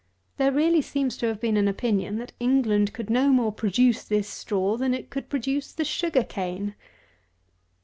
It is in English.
There really seems to have been an opinion, that England could no more produce this straw than it could produce the sugar cane.